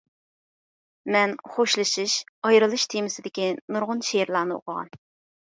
مەن «خوشلىشىش» ، «ئايرىلىش» تېمىسىدىكى نۇرغۇن شېئىرلارنى ئوقۇغان.